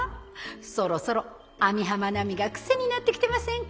そろそろ網浜奈美がクセになってきてませんか？